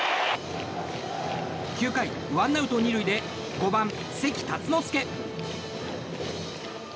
９回、ワンアウト２塁で５番、関辰之助。